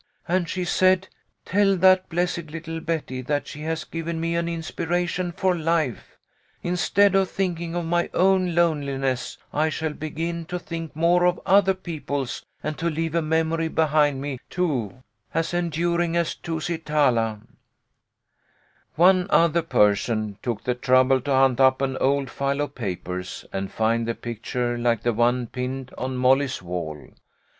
And she said, ' Tell that blessed little Betty that she has given me an inspiration for life. Instead of thinking of my own loneliness I shall begin to think more of other people's and to leave a memory behind me, too, as enduring as Tusi talaV " One other person took the trouble to hunt up an old file of papers, and find the picture like the one pinned on Molly's wall.